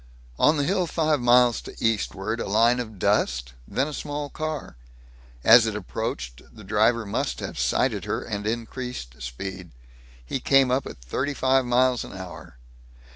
On the hill five miles to eastward, a line of dust, then a small car. As it approached, the driver must have sighted her and increased speed. He came up at thirty five miles an hour.